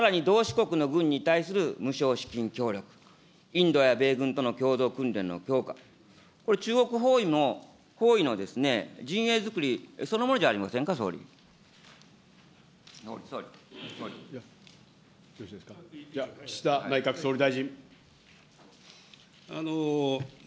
さらに同志国に対する無償資金協力、インドや米軍との共同訓練の強化、これ、中国包囲、ほういのですね、陣営作り、そのものじゃありませんか、岸田内閣総理大臣。